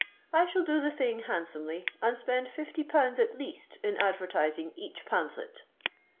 I shall do the thing handsomely, and spend fifty pounds at least in advertising each pamphlet."